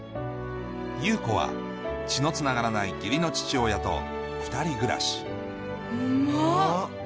優子は血のつながらない義理の父親と２人暮らしうまっ！